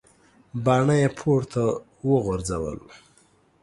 باڼه یې پورته وغورځول.